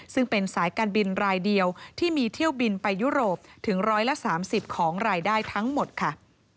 ซึ่งเป็นสายการบินรายเดียวที่มีเที่ยวบินไปยุโรปถึง๑๓๐ของรายได้ทั้งหมดค่ะ